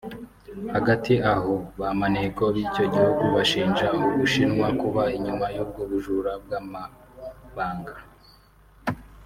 Hagati aho ba maneko b’icyo gihugu bashinja u Bushinwa kuba inyuma y’ubwo bujura bw’amabanga